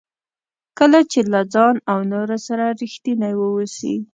کله چې له ځان او نورو سره ریښتیني واوسئ.